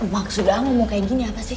maksud kamu mau kayak gini apa sih